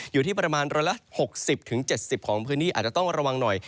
อยู่ที่ประมาณ๑๖๐๗๐ของพื้นที่อาจจะต้องระวังหน่อย